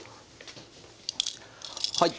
はい。